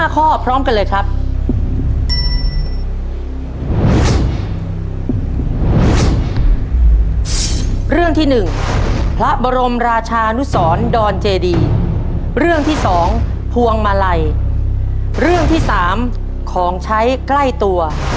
๕ข้อพร้อมกันเลยครับ